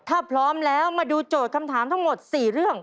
ถ้าพร้อมแล้วมาดูโจทย์คำถามทั้งหมด๔เรื่อง